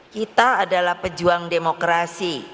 kita adalah pejuang demokrasi